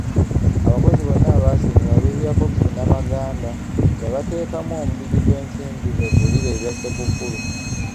Abakozi bonna abaasiimibwa, Olivia Cox Namaganda yabateekamu omudidi gw’ensimbi beegulire ebya Ssekukkulu.